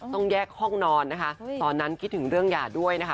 ต้องแยกห้องนอนนะคะตอนนั้นคิดถึงเรื่องหย่าด้วยนะคะ